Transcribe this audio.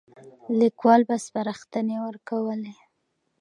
ليکوال به سپارښتنې ورکولې.